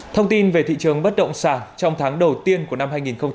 thông tin về thị trường bất động sản trong tháng đầu tiên của năm hai nghìn hai mươi